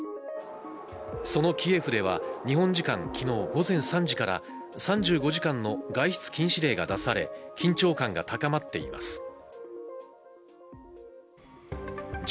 そのキエフでは日本時間、昨日午前３時から３５時間の外出禁止令が出され緊張感が高まっています。